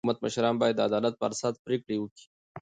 د حکومت مشران باید د عدالت پر اساس پرېکړي وکي.